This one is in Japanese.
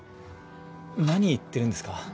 何言ってるんですか。